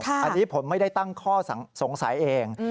อันนี้ผมไม่ได้ตั้งข้อสงสัยเอง